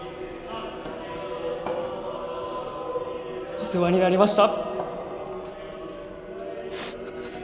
・お世話になりました。